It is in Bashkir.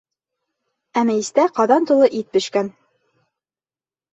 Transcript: Ә мейестә ҡаҙан тулы ит бешкән.